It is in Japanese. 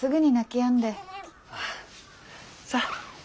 さあ。